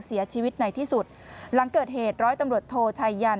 เสียชีวิตในที่สุดหลังเกิดเหตุร้อยตำรวจโทชัยยัน